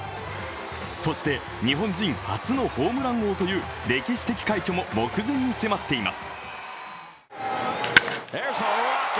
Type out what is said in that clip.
そして日本人初のホームラン王という歴史的快挙も目前に迫っています。